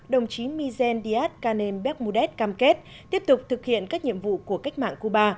đồng chí mizen díaz canem bekmoudet cam kết tiếp tục thực hiện các nhiệm vụ của cách mạng cuba